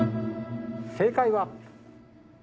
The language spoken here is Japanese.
正解は。